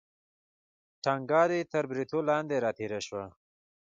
ټنګه دې تر بریتو لاندې راتېره شوه.